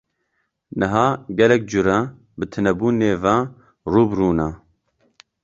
Niha gelek cure bi tunebûnê ve rû bi rû ne.